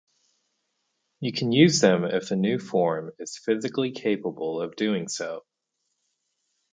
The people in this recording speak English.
You can use them if the new form is physically capable of doing so.